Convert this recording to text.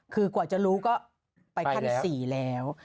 คือกว่าจะรู้ก็ไปขั้น๔แล้ว